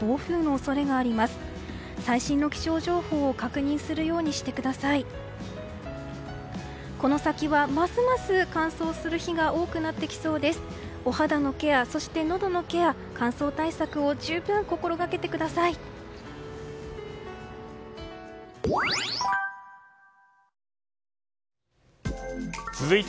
お肌のケア、のどのケア乾燥対策を十分心がけてください。